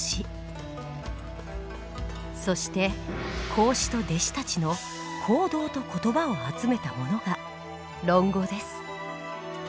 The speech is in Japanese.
そして孔子と弟子たちの行動と言葉を集めたものが「論語」です。